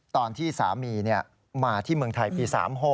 ตอนที่สามีมาที่เมืองไทยปี๓๖